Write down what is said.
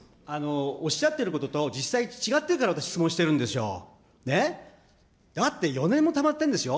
おっしゃってることと実際違ってるから、私、質問してるんですよ。ね、だって、４年もたまってるんですよ。